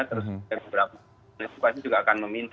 terus beberapa antisipasi juga akan meminta